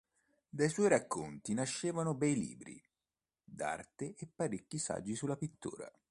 Dai suoi racconti nasceranno bei libri d'arte e parecchi saggi sulla pittura.